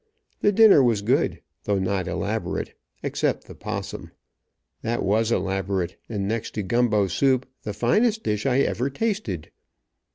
The dinner was good, though not elaborate, except the possum. That was elaborate, and next to gumbo soup, the finest dish I ever tasted.